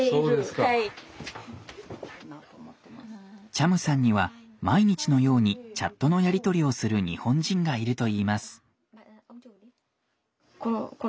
チャムさんには毎日のようにチャットのやり取りをする日本人がいるといいます。